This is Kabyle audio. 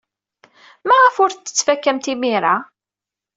Maɣef ur t-tettfakamt imir-a?